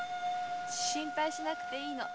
心配しなくていいの。